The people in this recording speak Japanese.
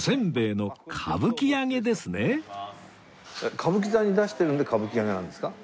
歌舞伎座に出してるんで歌舞伎揚なんですか？